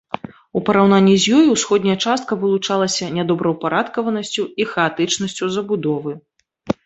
У параўнанні з ёй, усходняя частка вылучалася нядобраўпарадкаванасцю і хаатычнасцю забудовы.